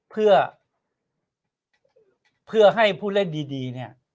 เพื่อให้ผู้เล่นดีเนี่ย